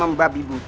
hanya dia sport